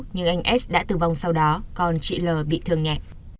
nhưng anh s đã tử vong sau đó con chị l bị thương nhẹ